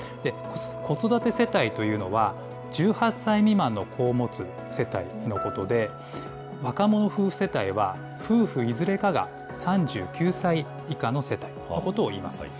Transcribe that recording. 子育て世帯というのは、１８歳未満の子を持つ世帯のことで、若者夫婦世帯は、夫婦いずれかが３９歳以下の世帯のことをいいます。